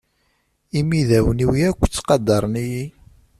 Imidawen-iw akk ttqadaren-iyi.